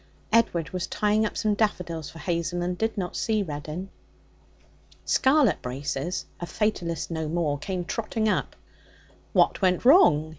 Edward was tying up some daffodils for Hazel, and did not see Reddin. Scarlet braces, a fatalist no more, came trotting up. 'What went wrong?'